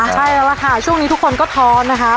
ใช่แล้วล่ะค่ะช่วงนี้ทุกคนก็ท้อนนะคะ